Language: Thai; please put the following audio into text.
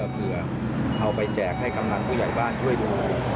เพื่อเอาไปแจกให้กำนันผู้ใหญ่บ้านช่วยดู